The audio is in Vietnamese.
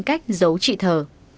cách giấu chị thờ